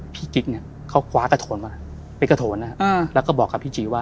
พี่จิกเขาคว้ากะโถนมาไปกะโถนแล้วก็บอกกับพี่จิว่า